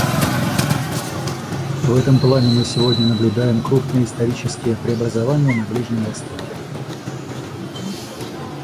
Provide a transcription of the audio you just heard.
В этом плане мы сегодня наблюдаем крупные, исторические преобразования на Ближнем Востоке.